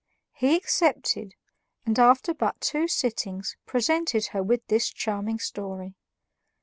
He accepted, and after but two sittings, presented her with this charming story.